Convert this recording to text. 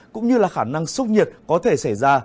cũng như là khả năng sốc nhiệt có thể xảy ra